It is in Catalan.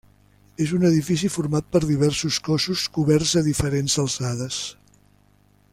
És un edifici format per diversos cossos coberts a diferents alçades.